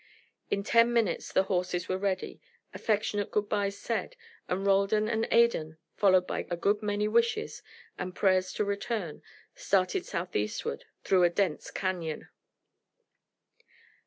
In ten minutes the horses were ready, affectionate good byes said, and Roldan and Adan, followed by many good wishes, and prayers to return, started southeastward through a dense canon.